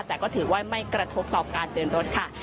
แต่ก็ถือว่าไม่กระทบต่อการเดินรถค่ะ